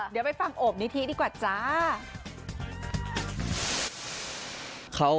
เดี๋ยวไปฟังโอบนิธิดีกว่าจ้า